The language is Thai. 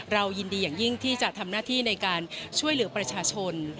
ยินดีอย่างยิ่งที่จะทำหน้าที่ในการช่วยเหลือประชาชน